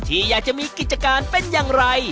ที่อยากจะมีกิจการเป็นอย่างไร